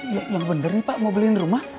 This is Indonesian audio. ya yang bener nih pak mau beliin rumah